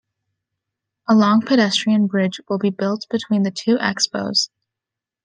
A long pedestrian bridge will be built between the two Expos.